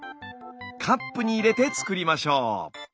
カップに入れて作りましょう。